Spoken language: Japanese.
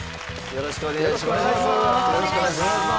よろしくお願いします。